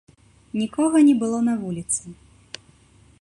Нікога не было на вуліцы.